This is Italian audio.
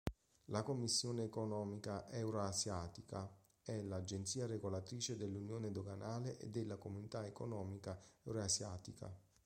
La Commissione economica eurasiatica è l'agenzia regolatrice dell'Unione doganale e della Comunità economica eurasiatica.